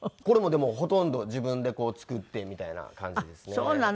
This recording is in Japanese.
これもでもほとんど自分で作ってみたいな感じですね。